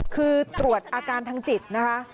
คือตรวจอาการทางจิตนะคะ